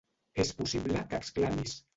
És possible que exclamis.